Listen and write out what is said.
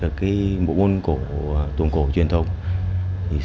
cái bộ ngôn cổ tuồng cổ truyền thống